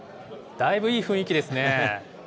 だいぶいい雰囲気ですね。